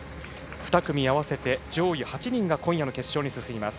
２組合わせて上位８人が今夜の決勝に進みます。